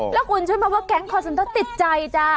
แล้วคุณช่วยมักว่าแก๊งคอลเซ็นเตอร์ติดใจจ้า